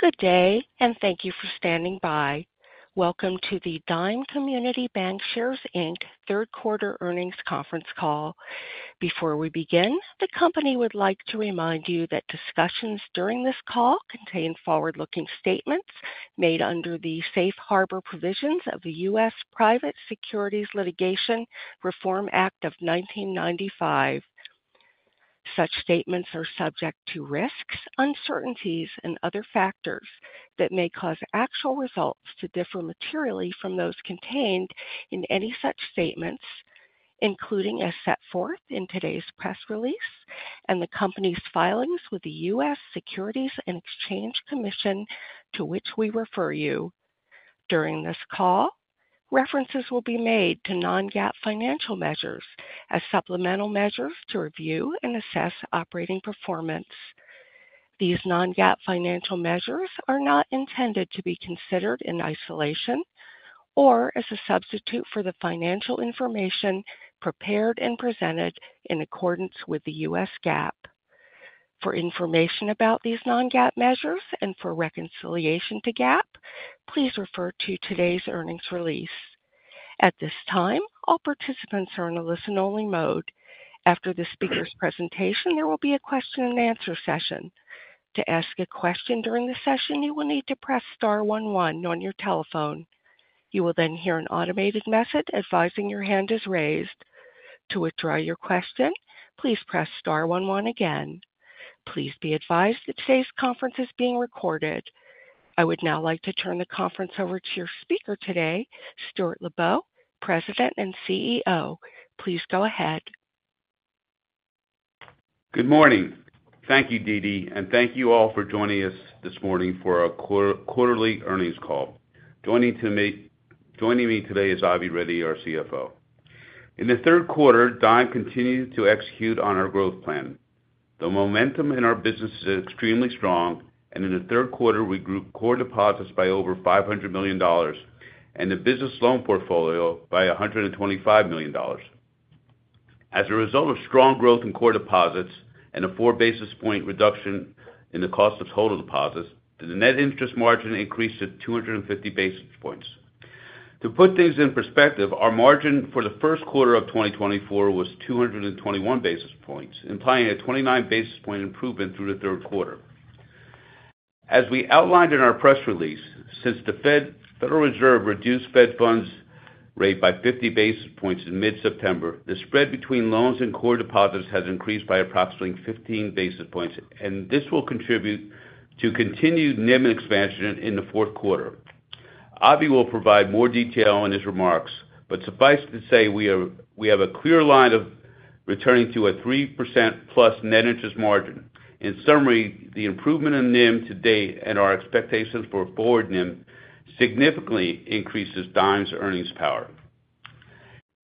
Good day, and thank you for standing by. Welcome to the Dime Community Bancshares, Inc., Third Quarter Earnings Conference Call. Before we begin, the company would like to remind you that discussions during this call contain forward-looking statements made under the Safe Harbor Provisions of the U.S. Private Securities Litigation Reform Act of 1995. Such statements are subject to risks, uncertainties, and other factors that may cause actual results to differ materially from those contained in any such statements, including as set forth in today's press release and the company's filings with the U.S. Securities and Exchange Commission, to which we refer you. During this call, references will be made to non-GAAP financial measures as supplemental measures to review and assess operating performance. These non-GAAP financial measures are not intended to be considered in isolation or as a substitute for the financial information prepared and presented in accordance with the U.S. GAAP. For information about these non-GAAP measures and for reconciliation to GAAP, please refer to today's earnings release. At this time, all participants are in a listen-only mode. After the speaker's presentation, there will be a question and answer session. To ask a question during the session, you will need to press star one one on your telephone. You will then hear an automated message advising your hand is raised. To withdraw your question, please press star one one again. Please be advised that today's conference is being recorded. I would now like to turn the conference over to your speaker today, Stuart Lubow, President and CEO. Please go ahead. Good morning. Thank you, Dee Dee, and thank you all for joining us this morning for our quarterly earnings call. Joining me today is Avi Reddy, our CFO. In the third quarter, Dime continued to execute on our growth plan. The momentum in our business is extremely strong, and in the third quarter, we grew core deposits by over $500 million and the business loan portfolio by $125 million. As a result of strong growth in core deposits and a four basis points reduction in the cost of total deposits, the net interest margin increased to 250 basis points. To put things in perspective, our margin for the first quarter of 2024 was 221 basis points, implying a 29 basis points improvement through the third quarter. As we outlined in our press release, since the Federal Reserve reduced Fed funds rate by 50 basis points in mid-September, the spread between loans and core deposits has increased by approximately 15 basis points, and this will contribute to continued NIM expansion in the fourth quarter. Avi will provide more detail on his remarks, but suffice to say, we have a clear line of returning to a 3% plus net interest margin. In summary, the improvement in NIM to date and our expectations for forward NIM significantly increases Dime's earnings power.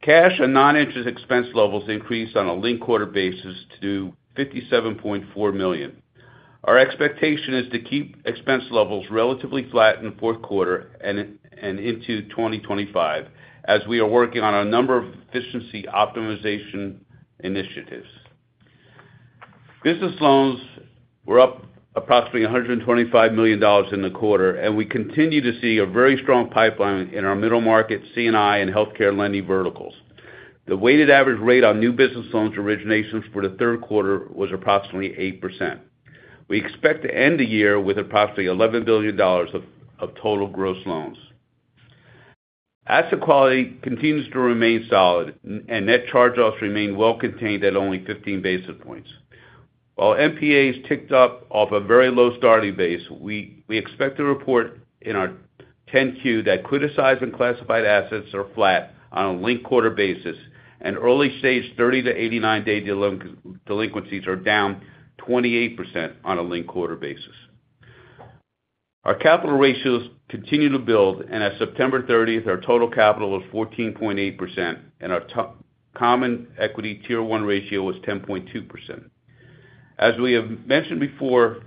Cash and non-interest expense levels increased on a linked quarter basis to $57.4 million. Our expectation is to keep expense levels relatively flat in the fourth quarter and into 2025, as we are working on a number of efficiency optimization initiatives. Business loans were up approximately $125 million in the quarter, and we continue to see a very strong pipeline in our middle market, C&I and healthcare lending verticals. The weighted average rate on new business loans originations for the third quarter was approximately 8%. We expect to end the year with approximately $11 billion of total gross loans. Asset quality continues to remain solid, and net charge-offs remain well contained at only 15 basis points. While NPAs ticked up off a very low starting base, we expect to report in our 10-Q that criticized and classified assets are flat on a linked quarter basis, and early-stage 30-89 day delinquencies are down 28% on a linked quarter basis. Our capital ratios continue to build, and as of September 30th, our total capital was 14.8%, and our Common Equity Tier One ratio was 10.2%. As we have mentioned before,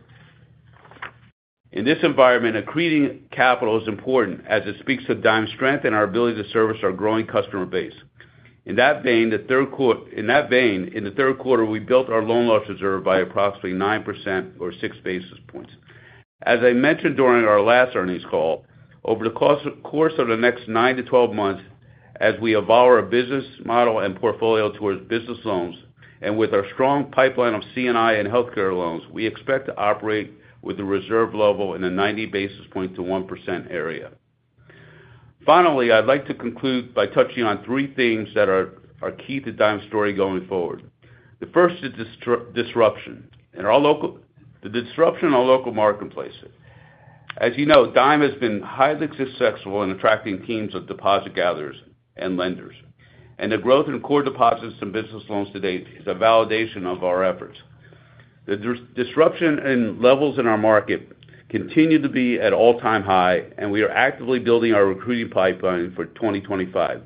in this environment, accreting capital is important as it speaks to Dime's strength and our ability to service our growing customer base. In that vein, in the third quarter, we built our loan loss reserve by approximately 9% or six basis points. As I mentioned during our last earnings call, over the course of the next 9-12 months, as we evolve our business model and portfolio towards business loans, and with our strong pipeline of C&I and healthcare loans, we expect to operate with a reserve level in a 90 basis point to 1% area. Finally, I'd like to conclude by touching on three things that are key to Dime's story going forward. The first is disruption. In our local marketplace, the disruption. As you know, Dime has been highly successful in attracting teams of deposit gatherers and lenders, and the growth in core deposits and business loans to date is a validation of our efforts. The disruption levels in our market continue to be at all-time high, and we are actively building our recruiting pipeline for 2025.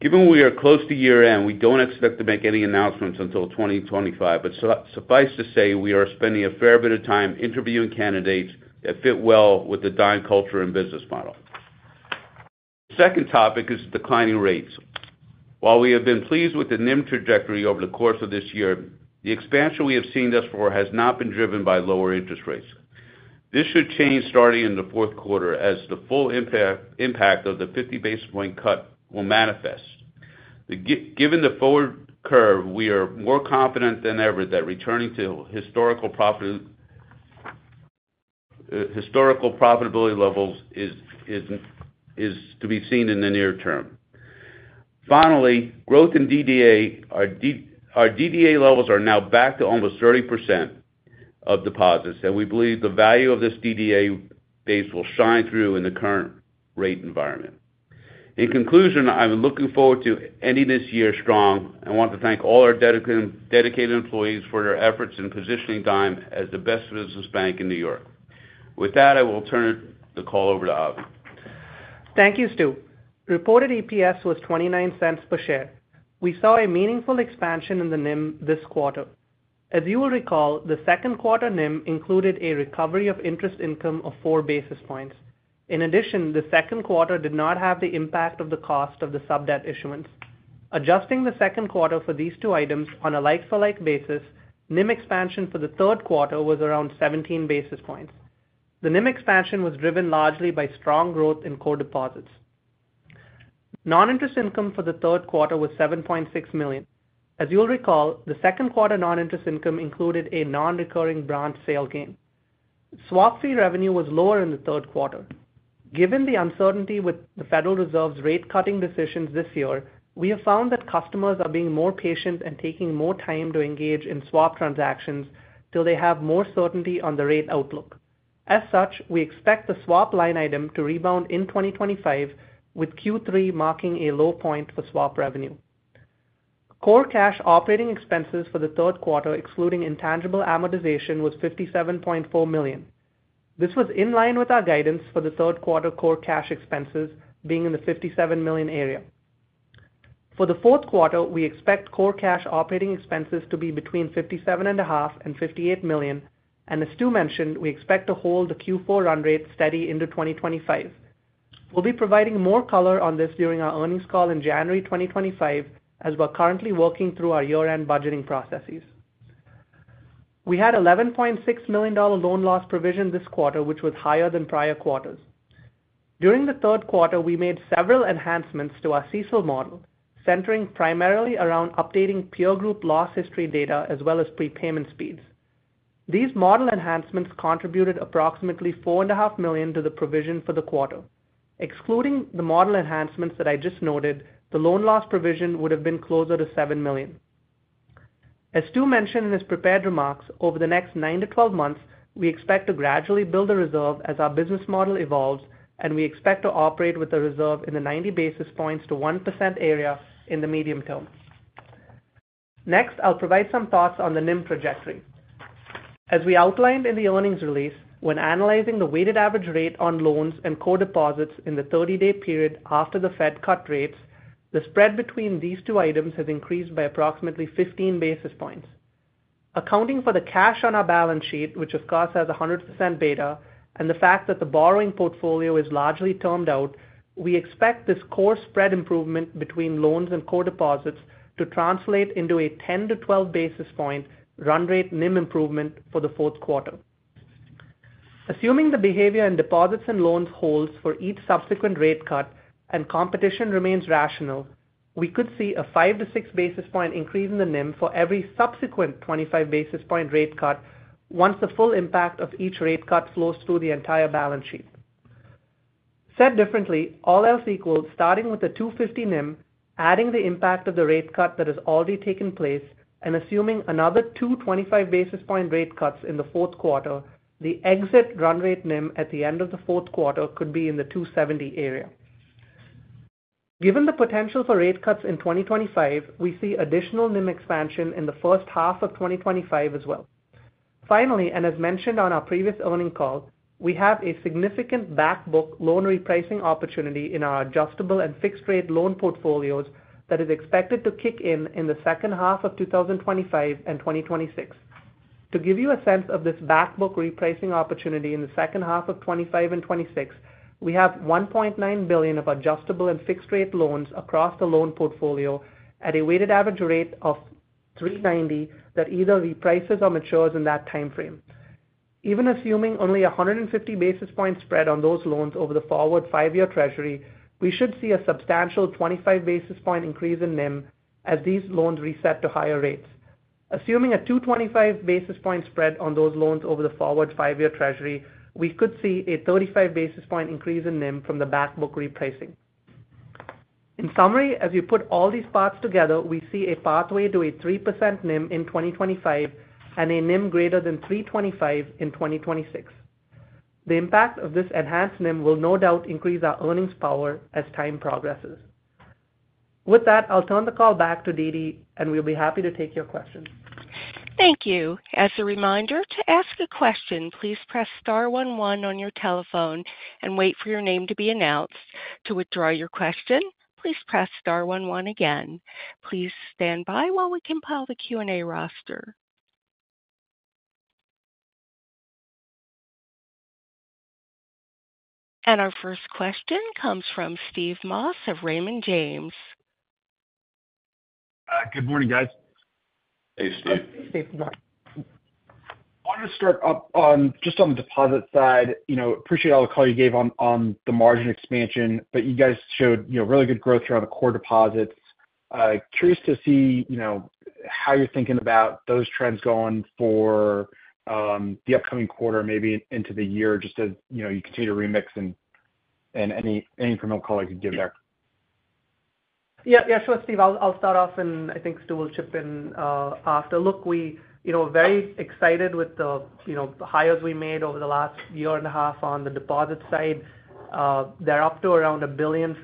Given we are close to year-end, we don't expect to make any announcements until 2025, but suffice to say, we are spending a fair bit of time interviewing candidates that fit well with the Dime culture and business model. Second topic is declining rates. While we have been pleased with the NIM trajectory over the course of this year, the expansion we have seen thus far has not been driven by lower interest rates. This should change starting in the fourth quarter as the full impact of the 50 basis point cut will manifest. Given the forward curve, we are more confident than ever that returning to historical profit, historical profitability levels is to be seen in the near term. Finally, growth in DDA. Our DDA levels are now back to almost 30% of deposits, and we believe the value of this DDA base will shine through in the current rate environment. In conclusion, I'm looking forward to ending this year strong and want to thank all our dedicated employees for their efforts in positioning Dime as the best business bank in New York. With that, I will turn the call over to Avi. Thank you, Stu. Reported EPS was $0.29 per share. We saw a meaningful expansion in the NIM this quarter. As you will recall, the second quarter NIM included a recovery of interest income of four basis points. In addition, the second quarter did not have the impact of the cost of the sub debt issuance. Adjusting the second quarter for these two items on a like-for-like basis, NIM expansion for the third quarter was around 17 basis points. The NIM expansion was driven largely by strong growth in core deposits. Non-interest income for the third quarter was $7.6 million. As you'll recall, the second quarter non-interest income included a non-recurring branch sale gain. Swap fee revenue was lower in the third quarter. Given the uncertainty with the Federal Reserve's rate-cutting decisions this year, we have found that customers are being more patient and taking more time to engage in swap transactions till they have more certainty on the rate outlook. As such, we expect the swap line item to rebound in 2025, with Q3 marking a low point for swap revenue. Core cash operating expenses for the third quarter, excluding intangible amortization, was $57.4 million. This was in line with our guidance for the third quarter core cash expenses being in the $57 million area. For the fourth quarter, we expect core cash operating expenses to be between $57.5 million and $58 million, and as Stu mentioned, we expect to hold the Q4 run rate steady into 2025. We'll be providing more color on this during our earnings call in January 2025, as we're currently working through our year-end budgeting processes. We had $11.6 million loan loss provision this quarter, which was higher than prior quarters. During the third quarter, we made several enhancements to our CECL model, centering primarily around updating peer group loss history data as well as prepayment speeds. These model enhancements contributed approximately $4.5 million to the provision for the quarter. Excluding the model enhancements that I just noted, the loan loss provision would have been closer to $7 million. As Stu mentioned in his prepared remarks, over the next 9 to 12 months, we expect to gradually build a reserve as our business model evolves, and we expect to operate with a reserve in the 90 basis points to 1% area in the medium term. Next, I'll provide some thoughts on the NIM trajectory. As we outlined in the earnings release, when analyzing the weighted average rate on loans and core deposits in the 30-day period after the Fed cut rates, the spread between these two items has increased by approximately 15 basis points. Accounting for the cash on our balance sheet, which of course, has 100% beta, and the fact that the borrowing portfolio is largely termed out, we expect this core spread improvement between loans and core deposits to translate into a 10-12 basis point run rate NIM improvement for the fourth quarter. Assuming the behavior in deposits and loans holds for each subsequent rate cut and competition remains rational, we could see a five to six basis point increase in the NIM for every subsequent 25 basis point rate cut once the full impact of each rate cut flows through the entire balance sheet. Said differently, all else equals, starting with the 250 NIM, adding the impact of the rate cut that has already taken place, and assuming another 225 basis point rate cuts in the fourth quarter, the exit run rate NIM at the end of the fourth quarter could be in the 270 area. Given the potential for rate cuts in 2025, we see additional NIM expansion in the first half of 2025 as well. Finally, and as mentioned on our previous earning call, we have a significant back book loan repricing opportunity in our adjustable and fixed-rate loan portfolios that is expected to kick in, in the second half of 2025 and 2026. To give you a sense of this back book repricing opportunity in the second half of 2025 and 2026, we have $1.9 billion of adjustable and fixed-rate loans across the loan portfolio at a weighted average rate of 3.90% that either reprices or matures in that time frame. Even assuming only 150 basis points spread on those loans over the forward five-year Treasury, we should see a substantial 25 basis point increase in NIM as these loans reset to higher rates. Assuming a 225 basis point spread on those loans over the forward five-year Treasury, we could see a 35 basis point increase in NIM from the back book repricing. In summary, as you put all these parts together, we see a pathway to a 3% NIM in 2025 and a NIM greater than 3.25% in 2026. The impact of this enhanced NIM will no doubt increase our earnings power as time progresses. With that, I'll turn the call back to Stu, and we'll be happy to take your questions. Thank you. As a reminder, to ask a question, please press star one one on your telephone and wait for your name to be announced. To withdraw your question, please press star one one again. Please stand by while we compile the Q&A roster. Our first question comes from Steve Moss of Raymond James. Good morning, guys. Hey, Steve. Hey, Steve, good morning. I want to start up on just on the deposit side. You know, appreciate all the color you gave on the margin expansion, but you guys showed, you know, really good growth here on the core deposits. Curious to see, you know, how you're thinking about those trends going forward, the upcoming quarter, maybe into the year, just as, you know, you continue to remix and any incremental color you could give there. Yeah, yeah, sure, Steve. I'll start off, and I think Stu will chip in after. Look, we, you know, very excited with the, you know, hires we made over the last year and a half on the deposit side. They're up to around $1.5 billion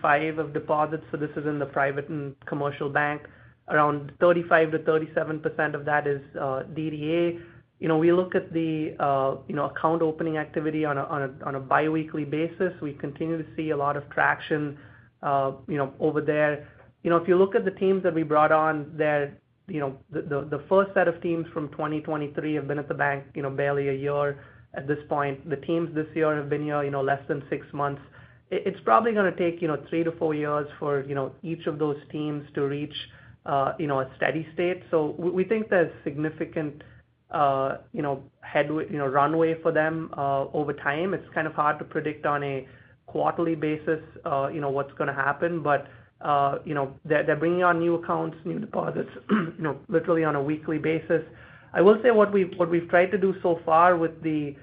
of deposits, so this is in the private and commercial bank. Around 35%-37% of that is DDA. You know, we look at the, you know, account opening activity on a biweekly basis. We continue to see a lot of traction, you know, over there. You know, if you look at the teams that we brought on, they're, you know, the first set of teams from 2023 have been at the bank, you know, barely a year at this point. The teams this year have been here, you know, less than six months. It's probably gonna take, you know, three to four years for, you know, each of those teams to reach, you know, a steady state. So we think there's significant, you know, runway for them over time. It's kind of hard to predict on a quarterly basis, you know, what's gonna happen. But you know, they're bringing on new accounts, new deposits, you know, literally on a weekly basis. I will say what we've tried to do so far with the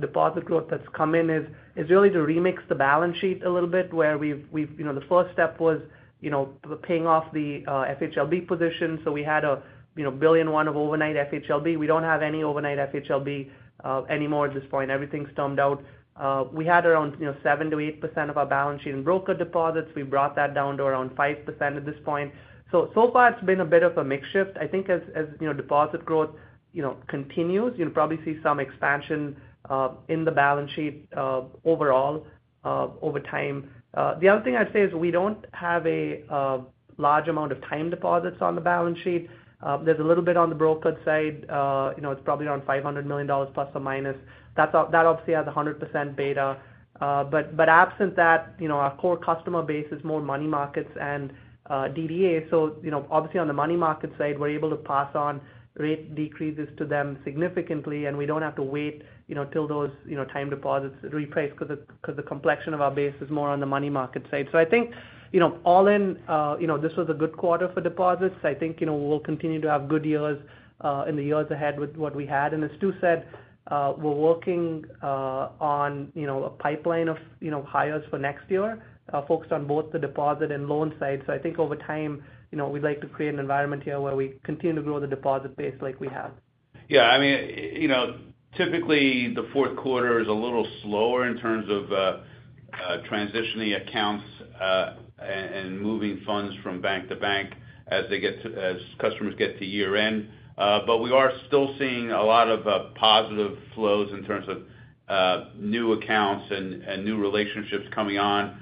deposit growth that's come in is really to remix the balance sheet a little bit, where we've. You know, the first step was, you know, paying off the FHLB position. So we had a you know $1.1 billion of overnight FHLB. We don't have any overnight FHLB anymore at this point. Everything's termed out. We had around you know 7%-8% of our balance sheet in broker deposits. We brought that down to around 5% at this point. So far it's been a bit of a mix shift. I think as you know deposit growth you know continues you'll probably see some expansion in the balance sheet overall over time. The other thing I'd say is we don't have a large amount of time deposits on the balance sheet. There's a little bit on the broker side you know it's probably around $500 million plus or minus. That obviously has a 100% beta. But, but absent that, you know, our core customer base is more money markets and DDA. So, you know, obviously, on the money market side, we're able to pass on rate decreases to them significantly, and we don't have to wait, you know, till those, you know, time deposits reprice because the complexion of our base is more on the money market side. So I think, you know, all in, you know, this was a good quarter for deposits. I think, you know, we'll continue to have good years in the years ahead with what we had. And as Stu said, we're working on, you know, a pipeline of, you know, hires for next year, focused on both the deposit and loan side. So I think over time, you know, we'd like to create an environment here where we continue to grow the deposit base like we have. Yeah, I mean, you know, typically, the fourth quarter is a little slower in terms of transitioning accounts and moving funds from bank to bank as customers get to year-end, but we are still seeing a lot of positive flows in terms of new accounts and new relationships coming on,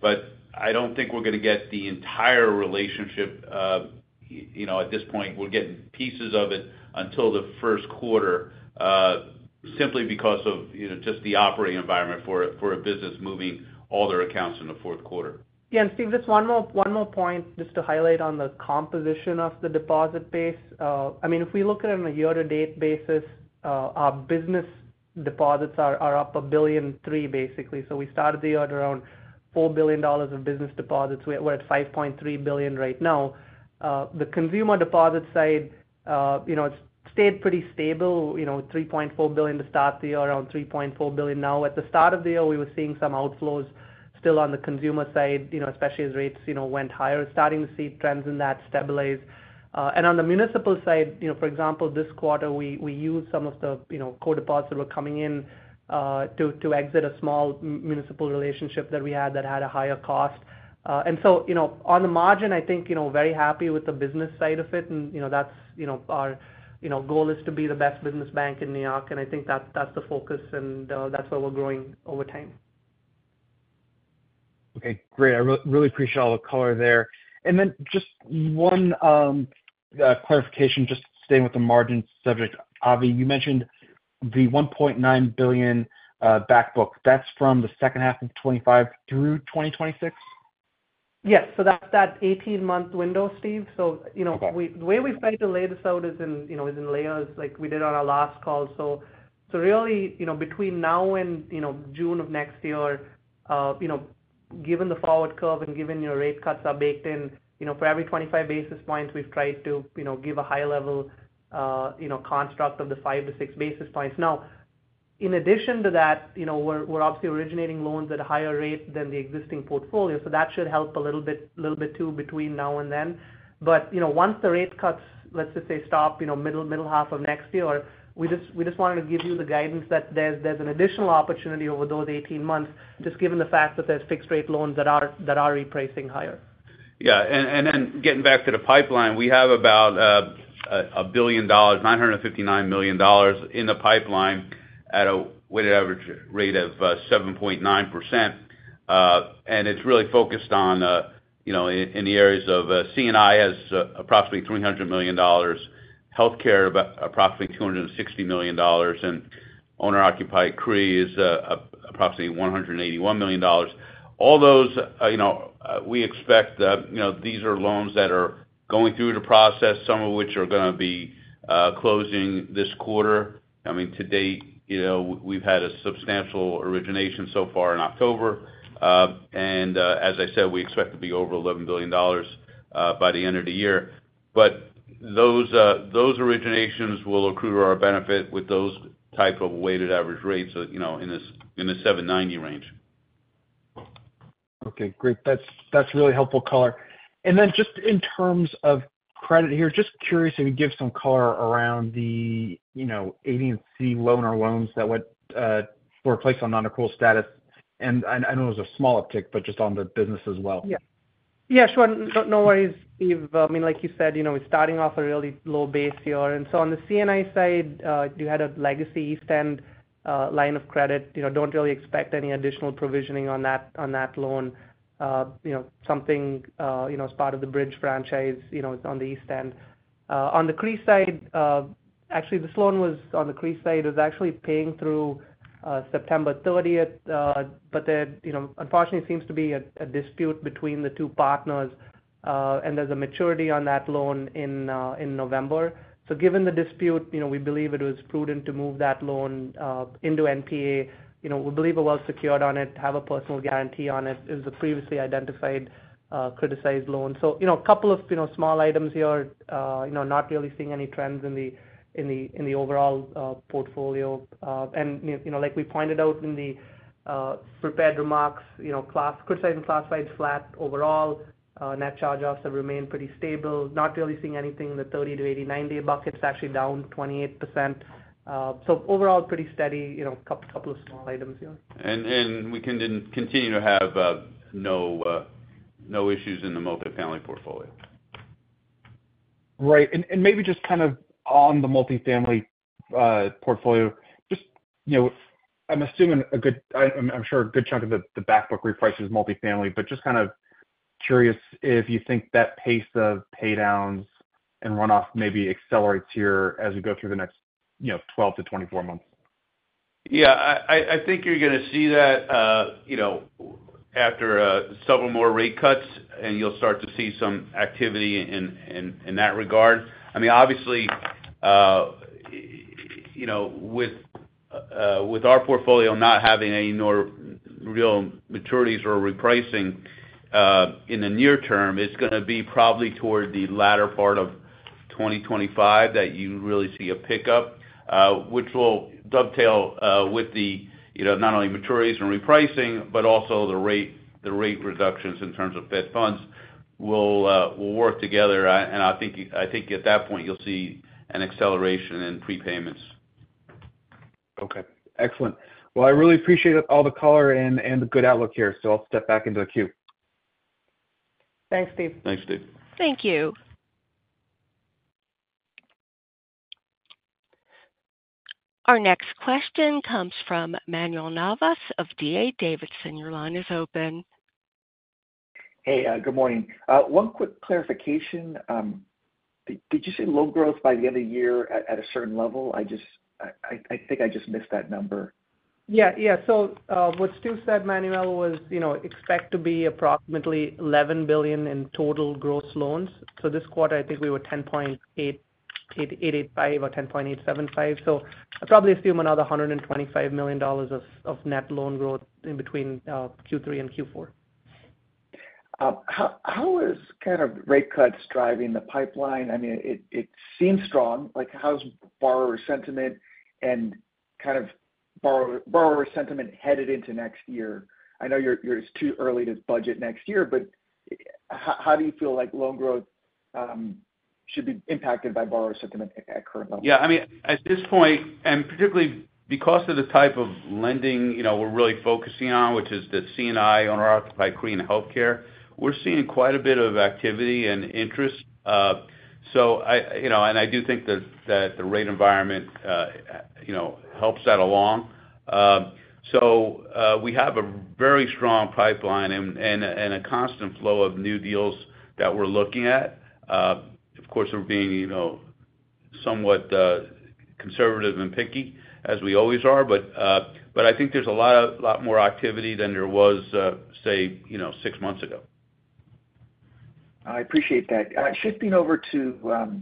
but I don't think we're gonna get the entire relationship, you know, at this point. We're getting pieces of it until the first quarter, simply because of, you know, just the operating environment for a business moving all their accounts in the fourth quarter. Yeah, and Steve, just one more point just to highlight on the composition of the deposit base. I mean, if we look at it on a year-to-date basis, our business deposits are up a billion and three, basically. So we started the year at around $4 billion of business deposits. We're at $5.3 billion right now. The consumer deposit side, you know, it's stayed pretty stable, you know, $3.4 billion to start the year, around $3.4 billion now. At the start of the year, we were seeing some outflows still on the consumer side, you know, especially as rates, you know, went higher. Starting to see trends in that stabilize. And on the municipal side, you know, for example, this quarter, we used some of the, you know, core deposits that were coming in, to exit a small municipal relationship that we had that had a higher cost. And so, you know, on the margin, I think, you know, very happy with the business side of it, and, you know, that's our goal is to be the best business bank in New York, and I think that's the focus, and, that's where we're growing over time. Okay, great. I really appreciate all the color there. And then just one clarification, just staying with the margin subject. Avi, you mentioned the 1.9 billion back book. That's from the second half of 2025 through 2026? Yes, so that's that 18-month window, Steve. Okay. You know, the way we've tried to lay this out is in layers, like we did on our last call. Really, you know, between now and June of next year, you know, given the forward curve and given your rate cuts are baked in, you know, for every 25 basis points, we've tried to give a high level construct of the 5-6 basis points. Now, in addition to that, you know, we're obviously originating loans at a higher rate than the existing portfolio, so that should help a little bit too, between now and then. But, you know, once the rate cuts, let's just say, stop, you know, middle half of next year, we just wanted to give you the guidance that there's an additional opportunity over those eighteen months, just given the fact that there's fixed rate loans that are repricing higher. Yeah. And then getting back to the pipeline, we have about $1 billion, $959 million in the pipeline at a weighted average rate of 7.9%. And it's really focused on, you know, in the areas of, C&I has approximately $300 million, healthcare about approximately $260 million, and owner-occupied CRE is approximately $181 million. All those, you know, we expect, you know, these are loans that are going through the process, some of which are gonna be closing this quarter. I mean, to date, you know, we've had a substantial origination so far in October. And, as I said, we expect to be over $11 billion by the end of the year. But those originations will accrue to our benefit with those type of weighted average rates, you know, in the 7.90 range. Okay, great. That's really helpful color. And then just in terms of credit here, just curious if you could give some color around the, you know, agency loan or loans that went, were placed on non-accrual status, and I know it was a small uptick, but just on the business as well. Yeah. Yeah, sure. No worries, Steve. I mean, like you said, you know, we're starting off a really low base here. And so on the C&I side, you had a legacy East End line of credit. You know, don't really expect any additional provisioning on that loan. You know, something as part of the Bridge franchise, you know, on the East End. On the CRE side, actually, this loan was on the CRE side, was actually paying through September 30th. But there, you know, unfortunately, seems to be a dispute between the two partners, and there's a maturity on that loan in November. So given the dispute, you know, we believe it was prudent to move that loan into NPA. You know, we believe it was secured on it, have a personal guarantee on it. It was a previously identified criticized loan. So, you know, a couple of, you know, small items here. You know, not really seeing any trends in the overall portfolio. And you know, like we pointed out in the prepared remarks, you know, criticized and classified flat overall. Net charge-offs have remained pretty stable. Not really seeing anything in the 30-90/90 bucket. It's actually down 28%. So overall, pretty steady, you know, couple of small items here. We continue to have no issues in the multifamily portfolio. Right. And maybe just kind of on the multifamily portfolio. Just, you know, I'm assuming a good chunk of the back book reprice is multifamily, but just kind of curious if you think that pace of pay downs and runoff maybe accelerates here as we go through the next, you know, 12-24 months. Yeah, I think you're gonna see that, you know, after several more rate cuts, and you'll start to see some activity in that regard. I mean, obviously, you know, with our portfolio not having any more real maturities or repricing in the near term, it's gonna be probably toward the latter part of 2025 that you really see a pickup, which will dovetail with the, you know, not only maturities and repricing, but also the rate reductions in terms of Fed funds will work together. And I think at that point, you'll see an acceleration in prepayments. Okay, excellent. Well, I really appreciate all the color and the good outlook here, so I'll step back into the queue. Thanks, Steve. Thanks, Steve. Thank you. Our next question comes from Manuel Navas of D.A. Davidson. Your line is open. Hey, good morning. One quick clarification. Did you say loan growth by the end of the year at a certain level? I just, I think I just missed that number. Yeah. Yeah. So, what Stu said, Manuel, was, you know, expect to be approximately $11 billion in total gross loans. So this quarter, I think we were $10.8885 billion or $10.875 billion. So I'd probably assume another $125 million of net loan growth in between Q3 and Q4. How, how is kind of rate cuts driving the pipeline? I mean, it seems strong. Like, how's borrower sentiment and kind of borrower sentiment headed into next year? I know you're- it's too early to budget next year, but how do you feel like loan growth should be impacted by borrower sentiment at current levels? Yeah, I mean, at this point, and particularly because of the type of lending, you know, we're really focusing on, which is the C&I, owner-occupied CRE, and healthcare, we're seeing quite a bit of activity and interest. So, you know, and I do think that the rate environment, you know, helps that along. So, we have a very strong pipeline and a constant flow of new deals that we're looking at. Of course, we're being, you know, somewhat conservative and picky, as we always are. But I think there's a lot more activity than there was, say, you know, six months ago. I appreciate that. Shifting over to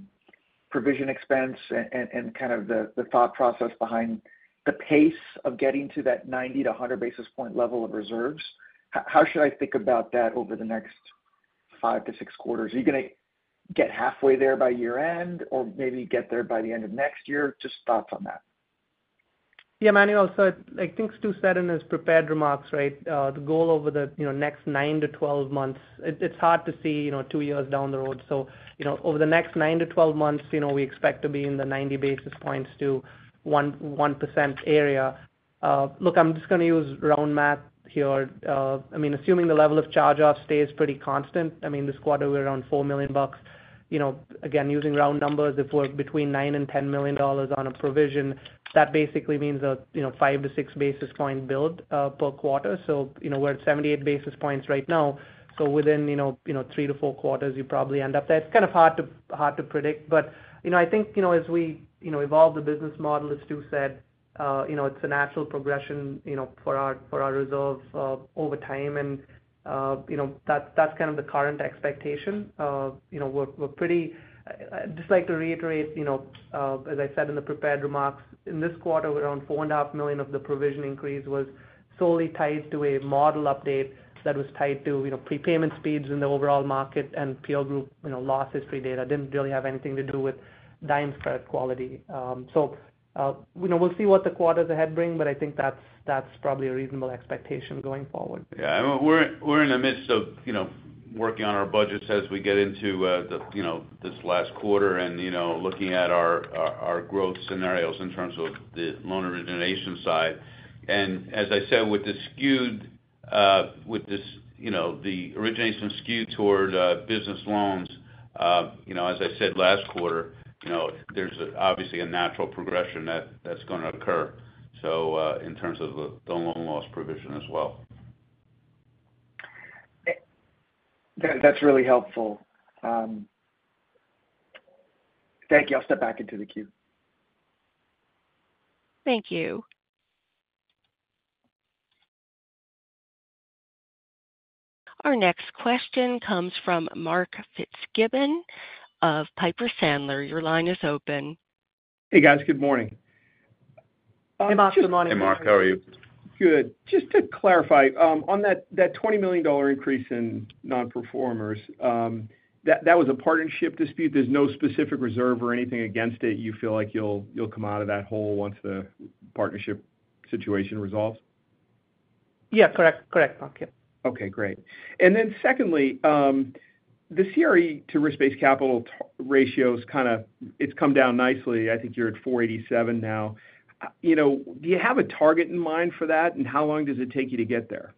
provision expense and kind of the thought process behind the pace of getting to that 90-100 basis point level of reserves. How should I think about that over the next five to six quarters? Are you gonna get halfway there by year-end or maybe get there by the end of next year? Just thoughts on that. Yeah, Manuel, so I think Stu said in his prepared remarks, right, the goal over the, you know, next 9-12 months. It, it's hard to see, you know, two years down the road. So, you know, over the next 9-12 months, you know, we expect to be in the 90 basis points to 1-1% area. Look, I'm just gonna use round math here. I mean, assuming the level of charge-off stays pretty constant, I mean, this quarter, we're around $4 million bucks. You know, again, using round numbers, if we're between $9 million-$10 million on a provision, that basically means a, you know, five to six basis point build per quarter. So, you know, we're at 78 basis points right now. So within, you know, three to four quarters, you probably end up there. It's kind of hard to predict, but you know, I think you know, as we you know, evolve the business model, as Stu said, you know, it's a natural progression you know, for our reserves over time. You know, that's kind of the current expectation. You know, I'd just like to reiterate you know, as I said in the prepared remarks, in this quarter, we're around $4.5 million of the provision increase was solely tied to a model update that was tied to you know, prepayment speeds in the overall market and peer group you know, loss history data. Didn't really have anything to do with Dime's credit quality, so you know, we'll see what the quarters ahead bring, but I think that's probably a reasonable expectation going forward. Yeah, and we're in the midst of, you know, working on our budgets as we get into the, you know, this last quarter, and, you know, looking at our growth scenarios in terms of the loan origination side. And as I said, with the skewed, with this, you know, the origination skewed toward business loans, you know, as I said last quarter, you know, there's obviously a natural progression that's gonna occur, so in terms of the loan loss provision as well. That's really helpful. Thank you. I'll step back into the queue. Thank you. Our next question comes from Mark Fitzgibbon of Piper Sandler. Your line is open. Hey, guys. Good morning. Hey, Mark, good morning. Hey, Mark, how are you? Good. Just to clarify, on that $20 million increase in non-performers, that was a partnership dispute. There's no specific reserve or anything against it. You feel like you'll come out of that hole once the partnership situation resolves? Yeah, correct. Correct, Mark. Okay, great. And then secondly, the CRE to risk-based capital ratio is kind of. It's come down nicely. I think you're at 487 now. You know, do you have a target in mind for that? And how long does it take you to get there?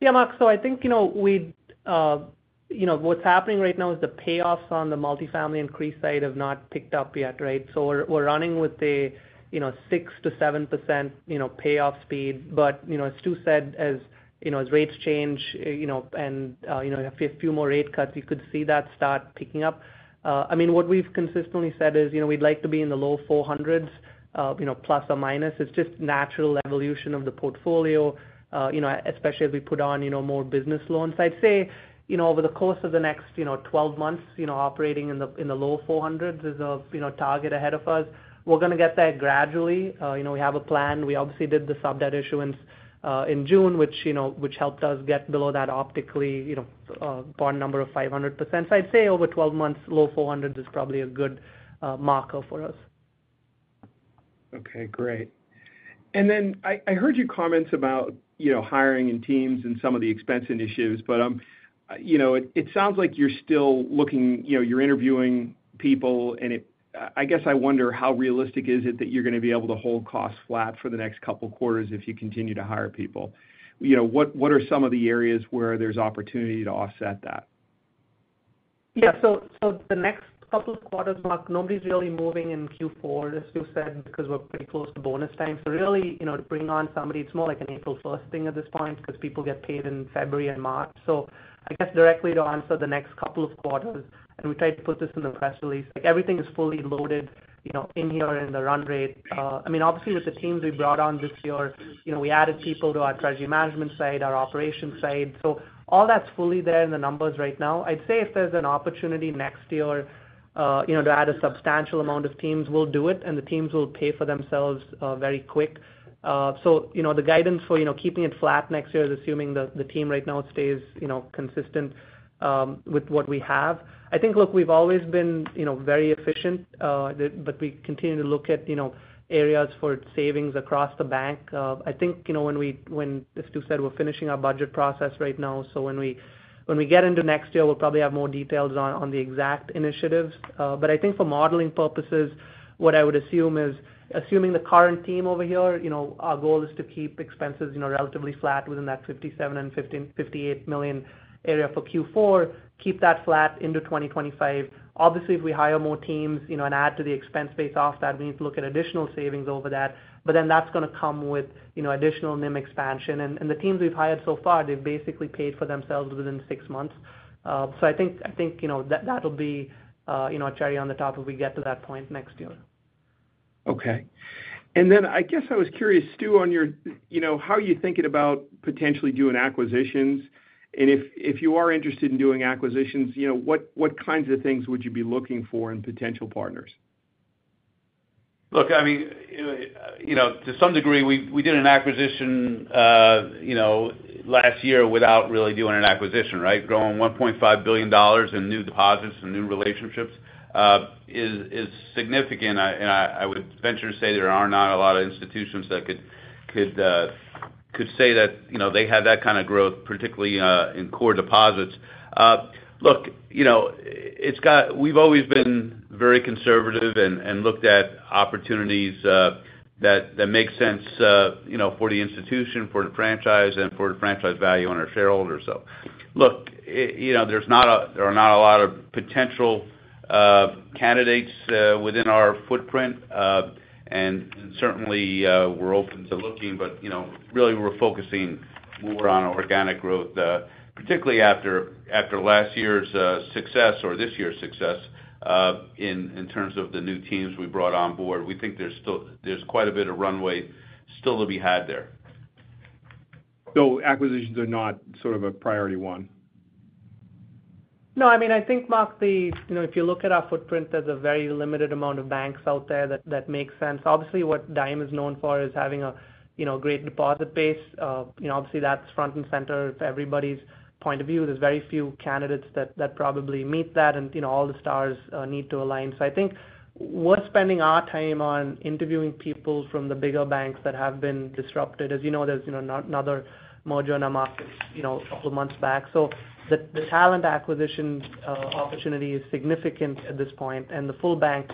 Yeah, Mark, so I think, you know, we'd, you know, what's happening right now is the payoffs on the multifamily increase side have not picked up yet, right? So we're running with a, you know, 6%-7%, you know, payoff speed. But, you know, as Stu said, you know, as rates change, you know, and a few more rate cuts, you could see that start picking up. I mean, what we've consistently said is, you know, we'd like to be in the low 400s, you know, plus or minus. It's just natural evolution of the portfolio, you know, especially as we put on, you know, more business loans. I'd say, you know, over the course of the next, you know, 12 months, you know, operating in the low 400s is a, you know, target ahead of us. We're gonna get there gradually. You know, we have a plan. We obviously did the sub debt issuance in June, which, you know, helped us get below that optically, you know, bond number of 500%. So I'd say over 12 months, low 400s is probably a good marker for us. Okay, great. And then I heard your comments about, you know, hiring in teams and some of the expensing issues, but, you know, it sounds like you're still looking, you know, you're interviewing people, and I guess I wonder how realistic is it that you're gonna be able to hold costs flat for the next couple quarters if you continue to hire people? You know, what are some of the areas where there's opportunity to offset that? Yeah. So the next couple of quarters, Mark, nobody's really moving in Q4, as you said, because we're pretty close to bonus time. So really, you know, to bring on somebody, it's more like an April first thing at this point, because people get paid in February and March. So I guess directly to answer the next couple of quarters, and we tried to put this in the press release, like, everything is fully loaded, you know, in here in the run rate. I mean, obviously, with the teams we brought on this year, you know, we added people to our treasury management side, our operations side. So all that's fully there in the numbers right now. I'd say if there's an opportunity next year, you know, to add a substantial amount of teams, we'll do it, and the teams will pay for themselves, very quick. So, you know, the guidance for, you know, keeping it flat next year is assuming the team right now stays, you know, consistent with what we have. I think, look, we've always been, you know, very efficient, but we continue to look at, you know, areas for savings across the bank. I think, you know, when, as Stu said, we're finishing our budget process right now, so when we get into next year, we'll probably have more details on the exact initiatives. But I think for modeling purposes, what I would assume is, assuming the current team over here, you know, our goal is to keep expenses, you know, relatively flat within that $57 million-$58 million area for Q4, keep that flat into 2025. Obviously, if we hire more teams, you know, and add to the expense base off that, we need to look at additional savings over that, but then that's gonna come with, you know, additional NIM expansion. And the teams we've hired so far, they've basically paid for themselves within six months. So I think, you know, that that'll be a cherry on the top as we get to that point next year. Okay. And then I guess I was curious, Stu, on your, you know, how are you thinking about potentially doing acquisitions? And if you are interested in doing acquisitions, you know, what kinds of things would you be looking for in potential partners? Look, I mean, you know, to some degree, we did an acquisition, you know, last year without really doing an acquisition, right? Growing $1.5 billion in new deposits and new relationships is significant. I would venture to say there are not a lot of institutions that could say that, you know, they had that kind of growth, particularly in core deposits. Look, you know, we've always been very conservative and looked at opportunities that make sense, you know, for the institution, for the franchise, and for the franchise value on our shareholders. Look, you know, there are not a lot of potential candidates within our footprint. And certainly, we're open to looking, but, you know, really, we're focusing more on organic growth, particularly after last year's success or this year's success, in terms of the new teams we brought on board. We think there's still quite a bit of runway still to be had there. So acquisitions are not sort of a priority one? No, I mean, I think, Mark, you know, if you look at our footprint, there's a very limited amount of banks out there that make sense. Obviously, what Dime is known for is having a, you know, great deposit base. You know, obviously, that's front and center of everybody's point of view. There's very few candidates that probably meet that, and, you know, all the stars need to align. So I think we're spending our time on interviewing people from the bigger banks that have been disrupted. As you know, there's, you know, another merger in the market, you know, a couple months back. So the talent acquisition opportunity is significant at this point, and the full bank,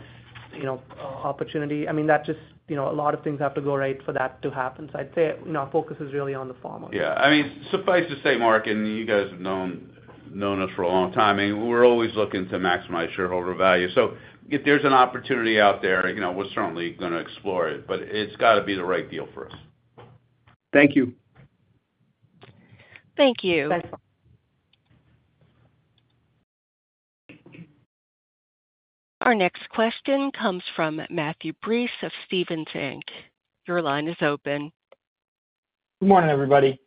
you know, opportunity, I mean, that just, you know, a lot of things have to go right for that to happen. So I'd say, you know, our focus is really on the former. Yeah. I mean, suffice to say, Mark, and you guys have known us for a long time, I mean, we're always looking to maximize shareholder value. So if there's an opportunity out there, you know, we're certainly gonna explore it, but it's got to be the right deal for us. Thank you. Thank you. Thanks. Our next question comes from Matthew Breese of Stephens Inc. Your line is open. Good morning, everybody.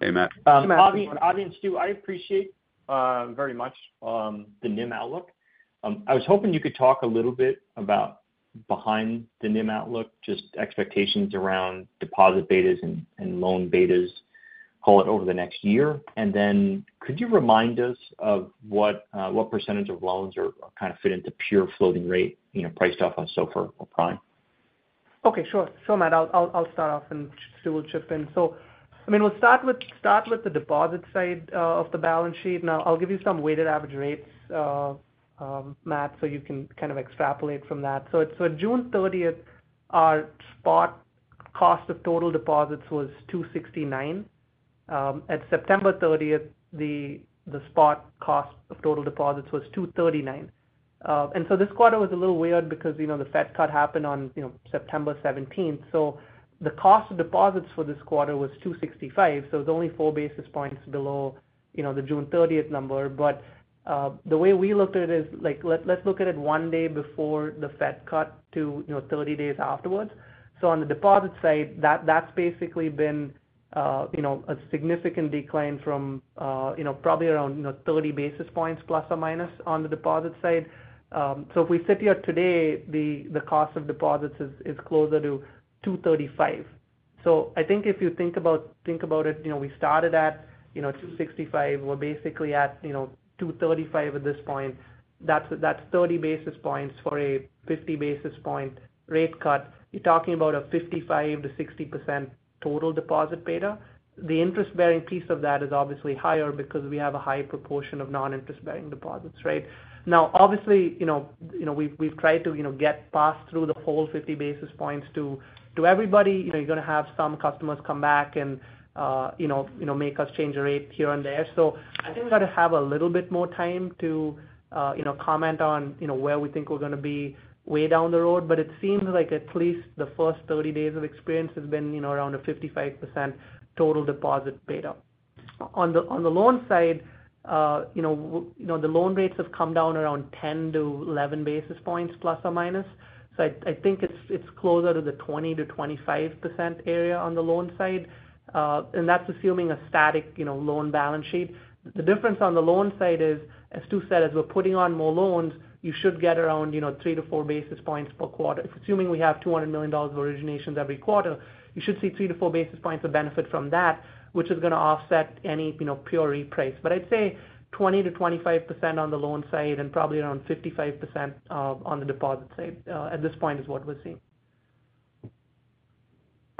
Hey, Matt. Hey, Matt. Avi and Stu, I appreciate very much the NIM outlook. I was hoping you could talk a little bit about behind the NIM outlook, just expectations around deposit betas and loan betas, call it, over the next year. And then could you remind us of what percentage of loans are kind of fit into pure floating rate, you know, priced off on SOFR or prime? Okay, sure. So Matt, I'll start off, and Stu will chip in. So I mean, we'll start with the deposit side of the balance sheet. Now, I'll give you some weighted average rates, Matt, so you can kind of extrapolate from that. So it's so June 30th, our spot cost of total deposits was 2.69%. At September 30th, the spot cost of total deposits was 2.39%. And so this quarter was a little weird because, you know, the Fed cut happened on, you know, September 17th. So the cost of deposits for this quarter was 2.65%, so it's only four basis points below, you know, the June 30th number. But the way we looked at it is, like, let's look at it one day before the Fed cut to, you know, 30 days afterwards. So on the deposit side, that's basically been, you know, a significant decline from, you know, probably around, you know, 30 basis points, plus or minus, on the deposit side. So if we sit here today, the cost of deposits is closer to 2.35. So I think if you think about, think about it, you know, we started at, you know, 2.65. We're basically at, you know, 2.35 at this point. That's 30 basis points for a 50 basis point rate cut. You're talking about a 55%-60% total deposit beta. The interest-bearing piece of that is obviously higher because we have a higher proportion of non-interest-bearing deposits, right? Now, obviously, you know, we've tried to, you know, get passed through the whole 50 basis points to everybody. You know, you're gonna have some customers come back and, you know, you know, make us change a rate here and there. So I think we've got to have a little bit more time to, you know, comment on, you know, where we think we're gonna be way down the road. But it seems like at least the first 30 days of experience has been, you know, around 55% total deposit beta. On the, on the loan side, you know, the loan rates have come down around 10-11 basis points, plus or minus. So I, I think it's, it's closer to the 20-25% area on the loan side. And that's assuming a static, you know, loan balance sheet. The difference on the loan side is, as Stu said, as we're putting on more loans, you should get around, you know, three to four basis points per quarter. Assuming we have $200 million of originations every quarter, you should see three to four basis points of benefit from that, which is gonna offset any, you know, pure reprice. But I'd say 20%-25% on the loan side and probably around 55% on the deposit side at this point is what we're seeing.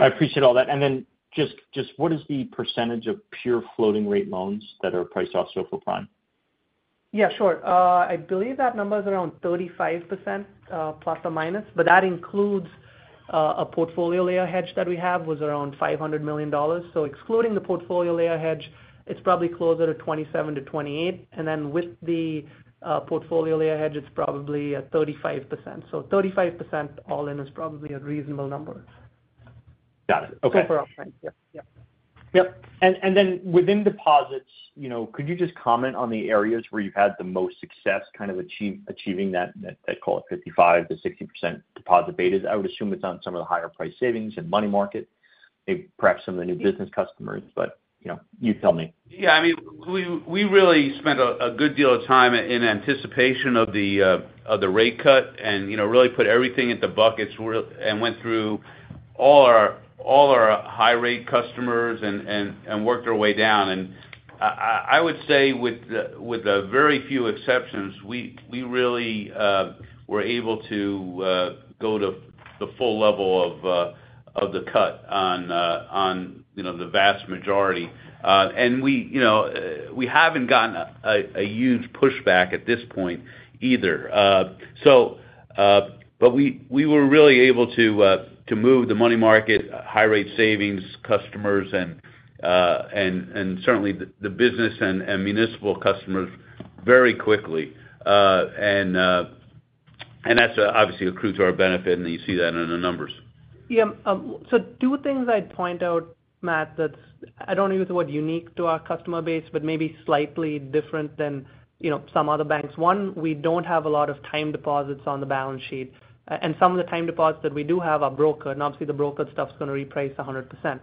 I appreciate all that. And then just what is the percentage of pure floating rate loans that are priced off SOFR prime? Yeah, sure. I believe that number is around 35%, plus or minus, but that includes a portfolio layer hedge that we have, was around $500 million. So excluding the portfolio layer hedge, it's probably closer to 27%-28%. And then with the portfolio layer hedge, it's probably at 35%. So 35% all in is probably a reasonable number. Got it. Okay. SOFR, right. Yep, yep. Yep. And then within deposits, you know, could you just comment on the areas where you've had the most success, kind of achieving that, call it 55%-60% deposit betas? I would assume it's on some of the higher priced savings and money market, maybe perhaps some of the new business customers. But, you know, you tell me. Yeah. I mean, we really spent a good deal of time in anticipation of the rate cut and, you know, really put everything into buckets and went through all our high rate customers and worked our way down. I would say with a very few exceptions, we really were able to go to the full level of the cut on, you know, the vast majority, and we, you know, we haven't gotten a huge pushback at this point either, but we were really able to move the money market, high rate savings customers, and certainly the business and municipal customers very quickly. That's obviously accrues to our benefit, and you see that in the numbers. Yeah. So two things I'd point out, Matt, that's I don't use the word unique to our customer base, but maybe slightly different than, you know, some other banks. One, we don't have a lot of time deposits on the balance sheet, and some of the time deposits that we do have are brokered, and obviously, the brokered stuff's gonna reprice 100%.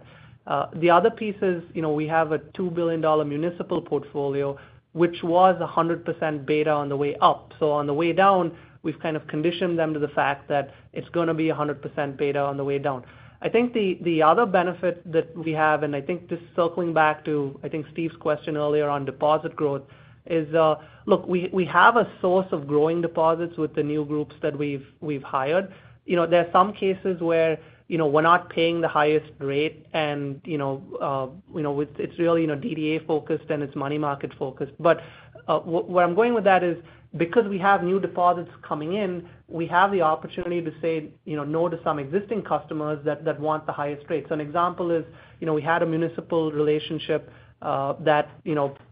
The other piece is, you know, we have a $2 billion municipal portfolio, which was 100% beta on the way up. So on the way down, we've kind of conditioned them to the fact that it's gonna be 100% beta on the way down. I think the other benefit that we have, and I think this is circling back to, I think, Steve's question earlier on deposit growth is, look, we have a source of growing deposits with the new groups that we've hired. You know, there are some cases where, you know, we're not paying the highest rate and, you know, you know, it's really, you know, DDA focused, and it's money market focused. But, where I'm going with that is because we have new deposits coming in, we have the opportunity to say, you know, no to some existing customers that want the highest rates. An example is, you know, we had a municipal relationship, that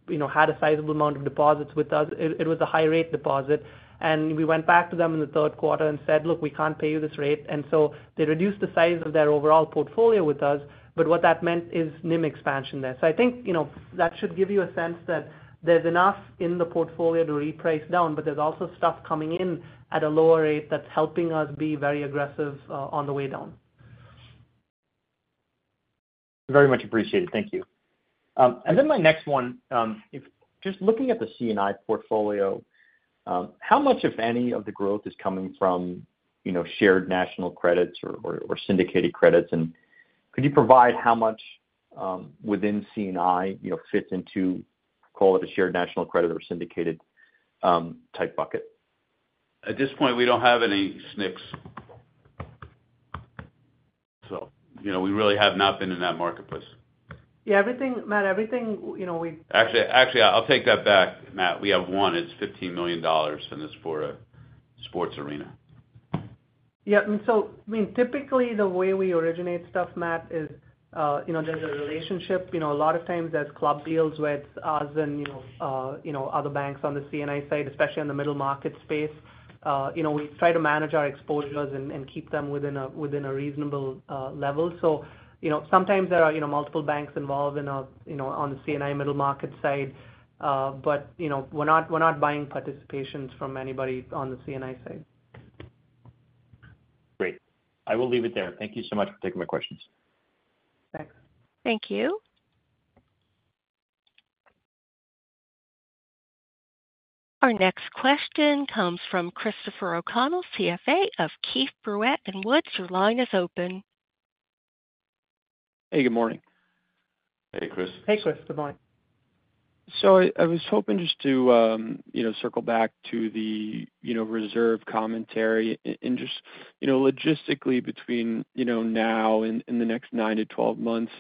you know had a sizable amount of deposits with us. It was a high rate deposit, and we went back to them in the third quarter and said, "Look, we can't pay you this rate." And so they reduced the size of their overall portfolio with us, but what that meant is NIM expansion there. So I think, you know, that should give you a sense that there's enough in the portfolio to reprice down, but there's also stuff coming in at a lower rate that's helping us be very aggressive, on the way down. Very much appreciated. Thank you, and then my next one, if just looking at the C&I portfolio, how much, if any, of the growth is coming from, you know, Shared National Credits or syndicated credits? And could you provide how much, within C&I, you know, fits into, call it, a Shared National Credit or syndicated type bucket? At this point, we don't have any SNCs. So, you know, we really have not been in that marketplace. Yeah, Matt, everything, you know, we- Actually, I'll take that back, Matt. We have one. It's $15 million, and it's for a sports arena. Yeah, and so, I mean, typically, the way we originate stuff, Matt, is, you know, there's a relationship. You know, a lot of times there's club deals with us and, you know, you know, other banks on the C&I side, especially in the middle market space. You know, we try to manage our exposures and keep them within a reasonable level. So, you know, sometimes there are, you know, multiple banks involved you know, on the C&I middle market side. But, you know, we're not buying participations from anybody on the C&I side. Great. I will leave it there. Thank you so much for taking my questions. Thanks. Thank you. Our next question comes from Christopher O'Connell, CFA of Keefe, Bruyette & Woods. Your line is open. Hey, good morning. Hey, Chris. Hey, Chris. Good morning. So I was hoping just to, you know, circle back to the, you know, reserve commentary and just, you know, logistically between, you know, now and the next 9-12 months,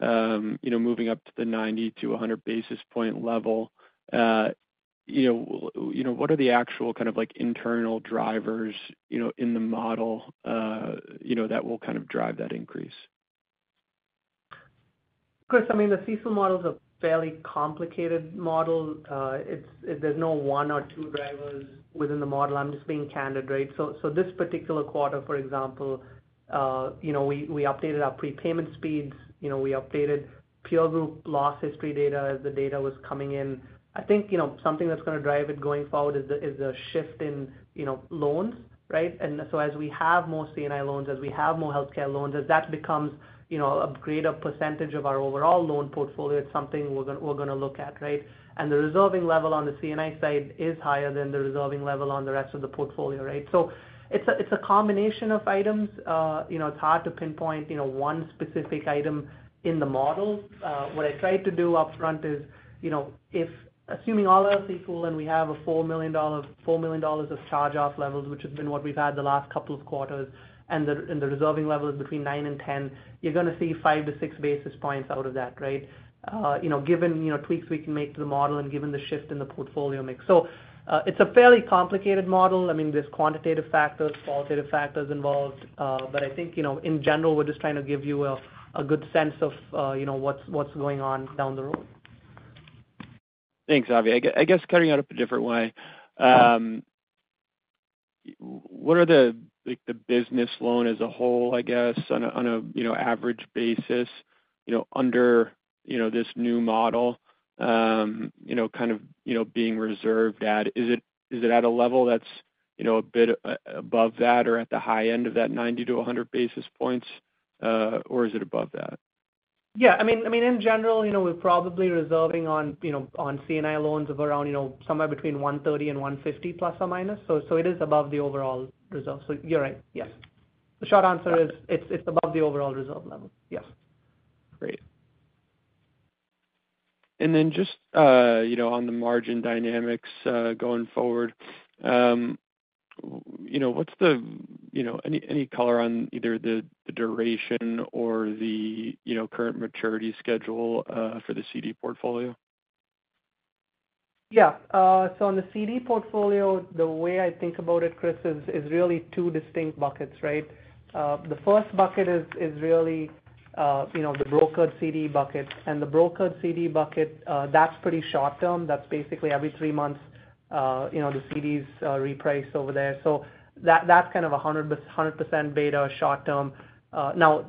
you know, moving up to the 90-100 basis point level, you know, what are the actual kind of like internal drivers, you know, in the model, you know, that will kind of drive that increase? Chris, I mean, the CECL model is a fairly complicated model. It's, there's no one or two drivers within the model. I'm just being candid, right? So, so this particular quarter, for example, you know, we updated our prepayment speeds, you know, we updated peer group loss history data as the data was coming in. I think, you know, something that's gonna drive it going forward is the shift in, you know, loans, right? And so as we have more C&I loans, as we have more healthcare loans, as that becomes, you know, a greater percentage of our overall loan portfolio, it's something we're gonna look at, right? And the reserving level on the C&I side is higher than the reserving level on the rest of the portfolio, right? So it's a combination of items. You know, it's hard to pinpoint, you know, one specific item in the model. What I tried to do upfront is, you know, if assuming all else is equal, and we have $4 million of charge-off levels, which has been what we've had the last couple of quarters, and the reserving level is between 9 and 10, you're gonna see 5-6 basis points out of that, right? You know, given, you know, tweaks we can make to the model and given the shift in the portfolio mix. It's a fairly complicated model. I mean, there's quantitative factors, qualitative factors involved, but I think, you know, in general, we're just trying to give you a good sense of, you know, what's going on down the road. Thanks, Avi. I guess cutting out a different way, what are the, like, the business loan as a whole, I guess, on a average basis, you know, under you know, this new model, you know, kind of, you know, being reserved at? Is it, is it at a level that's, you know, a bit above that or at the high end of that 90-100 basis points, or is it above that? Yeah. I mean, in general, you know, we're probably reserving on, you know, on C&I loans of around, you know, somewhere between 130 and 150, plus or minus. So, it is above the overall reserve. So you're right, yes. The short answer is, it's above the overall reserve level. Yes. Great. And then just, you know, on the margin dynamics, going forward, you know, what's the, you know, any, any color on either the, the duration or the, you know, current maturity schedule, for the CD portfolio? Yeah. So on the CD portfolio, the way I think about it, Chris, is really two distinct buckets, right? The first bucket is really, you know, the brokered CD bucket. And the brokered CD bucket, that's pretty short term. That's basically every three months, you know, the CDs reprice over there. So that's kind of 100% beta short term. Now,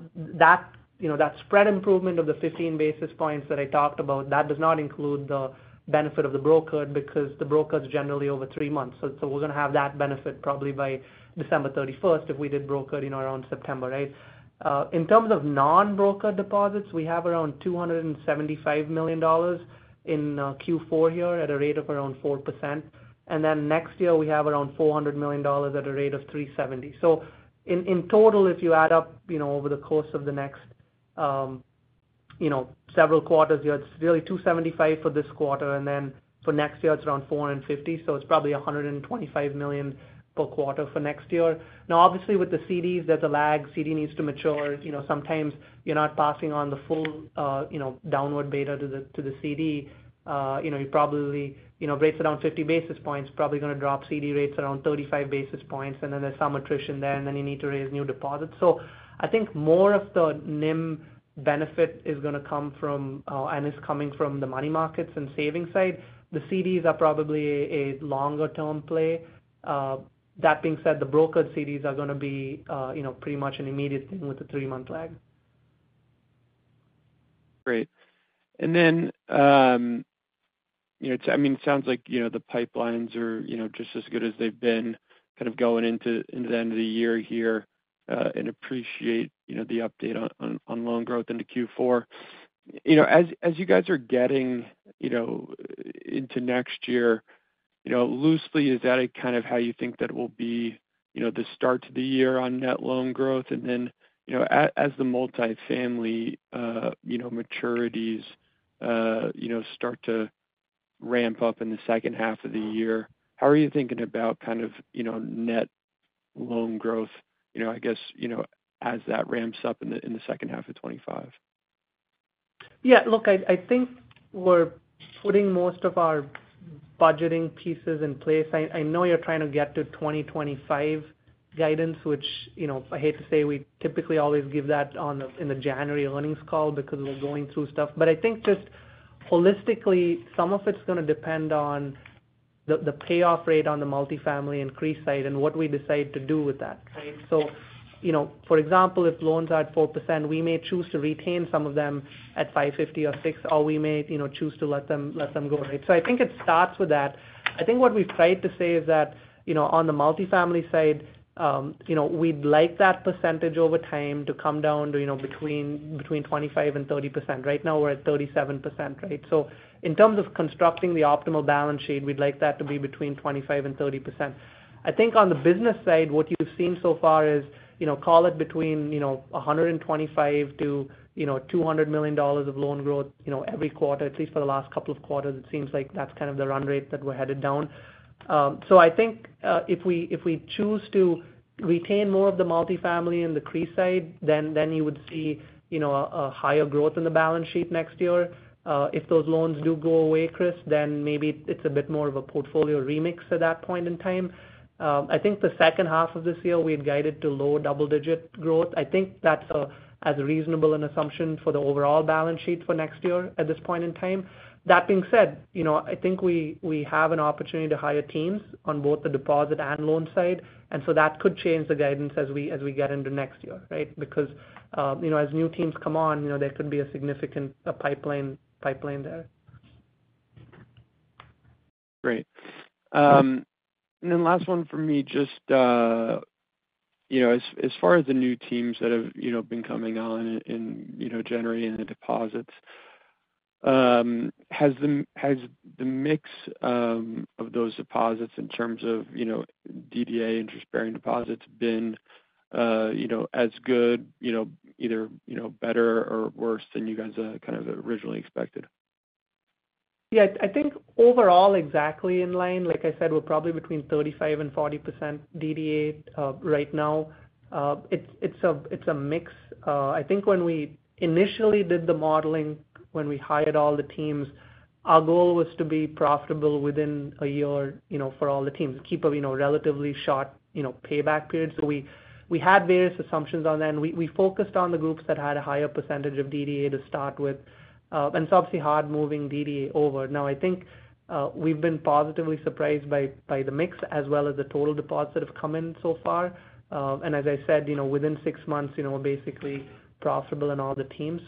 you know, that spread improvement of the 15 basis points that I talked about, that does not include the benefit of the brokered, because the broker is generally over three months. So we're gonna have that benefit probably by December 31st, if we did broker, you know, around September, right? In terms of non-brokered deposits, we have around $275 million in Q4 here at a rate of around 4%. Then next year, we have around $400 million at a rate of 3.70%. So in total, if you add up, you know, over the course of the next, you know, several quarters, you know, it's really $275 million for this quarter, and then for next year, it's around $450 million. So it's probably $125 million per quarter for next year. Now, obviously, with the CDs, there's a lag. CD needs to mature. You know, sometimes you're not passing on the full, you know, downward beta to the CD. You know, you probably, you know, rates around 50 basis points, probably gonna drop CD rates around 35 basis points, and then there's some attrition there, and then you need to raise new deposits. So I think more of the NIM benefit is gonna come from, and is coming from the money markets and savings side. The CDs are probably a longer-term play. That being said, the brokered CDs are gonna be, you know, pretty much an immediate thing with a three-month lag. Great. And then, you know, I mean, it sounds like, you know, the pipelines are, you know, just as good as they've been kind of going into the end of the year here, and appreciate, you know, the update on loan growth into Q4. You know, as you guys are getting, you know, into next year, you know, loosely, is that kind of how you think that will be, you know, the start to the year on net loan growth? And then, you know, as the multifamily, you know, maturities, you know, start to ramp up in the second half of the year, how are you thinking about kind of, you know, net loan growth, you know, I guess, you know, as that ramps up in the second half of 2025? Yeah, look, I think we're putting most of our budgeting pieces in place. I know you're trying to get to 2025 guidance, which, you know, I hate to say, we typically always give that in the January earnings call because we're going through stuff. But I think just holistically, some of it's gonna depend on the payoff rate on the multifamily increase side and what we decide to do with that, right? So, you know, for example, if loans are at 4%, we may choose to retain some of them at 5.50% or 6%, or we may, you know, choose to let them go, right? So I think it starts with that. I think what we've tried to say is that, you know, on the multifamily side, you know, we'd like that percentage over time to come down to, you know, between 25% and 30%. Right now, we're at 37%, right? So in terms of constructing the optimal balance sheet, we'd like that to be between 25% and 30%. I think on the business side, what you've seen so far is, you know, call it between $125 million-$200 million of loan growth, you know, every quarter, at least for the last couple of quarters. It seems like that's kind of the run rate that we're headed down. So I think if we choose to retain more of the multifamily in the CRE side, then you would see, you know, a higher growth in the balance sheet next year. If those loans do go away, Chris, then maybe it's a bit more of a portfolio remix at that point in time. I think the second half of this year, we had guided to low double-digit growth. I think that's as reasonable an assumption for the overall balance sheet for next year at this point in time. That being said, you know, I think we have an opportunity to hire teams on both the deposit and loan side, and so that could change the guidance as we get into next year, right? Because, you know, as new teams come on, you know, there could be a significant pipeline there. Great. And then last one for me, just, you know, as, as far as the new teams that have, you know, been coming on and, and, you know, generating the deposits, has the mix of those deposits in terms of, you know, DDA interest-bearing deposits been, you know, as good, you know, either, you know, better or worse than you guys, kind of originally expected? Yeah, I think overall, exactly in line. Like I said, we're probably between 35% and 40% DDA right now. It's a mix. I think when we initially did the modeling, when we hired all the teams, our goal was to be profitable within a year, you know, for all the teams. Keep a relatively short, you know, payback period. So we had various assumptions on that, and we focused on the groups that had a higher percentage of DDA to start with, and it's obviously hard moving DDA over. Now, I think we've been positively surprised by the mix as well as the total deposits that have come in so far. And as I said, you know, within six months, you know, we're basically profitable in all the teams.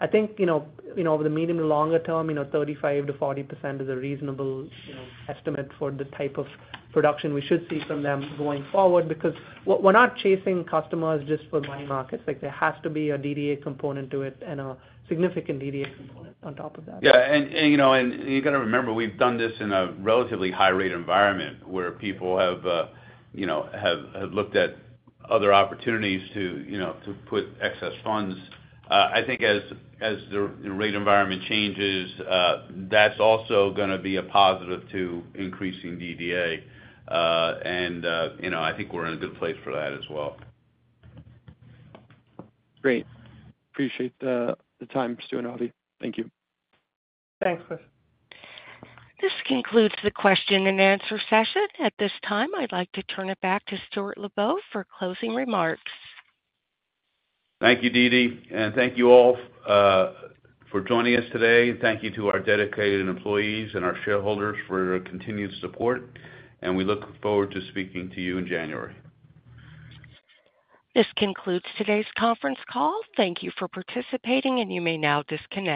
I think, you know, you know, over the medium and longer term, you know, 35%-40% is a reasonable, you know, estimate for the type of production we should see from them going forward. Because we're not chasing customers just for money markets. Like, there has to be a DDA component to it and a significant DDA component on top of that. Yeah, and you know, you've got to remember, we've done this in a relatively high-rate environment, where people have, you know, looked at other opportunities to, you know, to put excess funds. I think as the rate environment changes, that's also gonna be a positive to increasing DDA. And you know, I think we're in a good place for that as well. Great. Appreciate the time, Stuart and Avi. Thank you. Thanks, Chris. This concludes the question and answer session. At this time, I'd like to turn it back to Stuart Lubow for closing remarks. Thank you, Dee Dee, and thank you all for joining us today, and thank you to our dedicated employees and our shareholders for your continued support, and we look forward to speaking to you in January. This concludes today's conference call. Thank you for participating, and you may now disconnect.